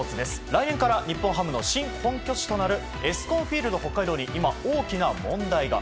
来年から日本ハムの新本拠地となるエスコンフィールド北海道に今、大きな問題が。